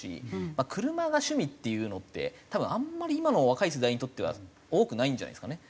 車が趣味っていうのって多分あんまり今の若い世代にとっては多くないんじゃないですかね。